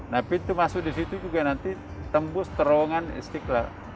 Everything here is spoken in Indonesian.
nah pintu masuk di situ juga nanti tembus terowongan istiqlal